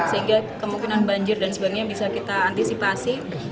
sehingga kemungkinan banjir dan sebagainya bisa kita antisipasi